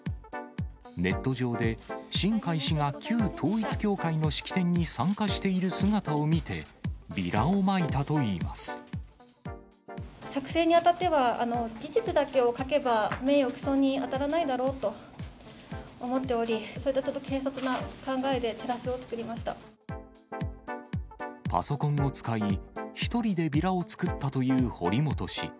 ネット上で、新開氏が旧統一教会の式典に参加している姿を見て、ビラをまいた作成にあたっては、事実だけを書けば名誉毀損に当たらないだろうと思っており、パソコンを使い、１人でビラを作ったという堀本氏。